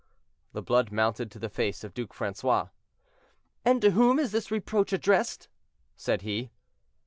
The blood mounted to the face of Duc Francois. "And to whom is this reproach addressed?" said he.